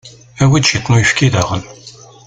Awi-d ciṭ n uyefki daɣen.